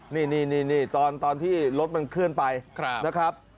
นี่นี่นี่นี่ตอนตอนที่รถมันเคลื่อนไปครับนะครับ